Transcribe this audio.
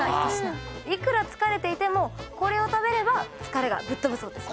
いくら疲れていてもこれを食べれば疲れがぶっ飛ぶそうです。